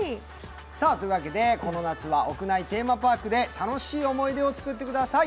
この夏は屋内テーマパークで楽しい思い出を作ってください。